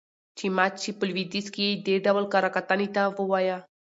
چې مات شي. په لويديځ کې يې دې ډول کره کتنې ته ووايه.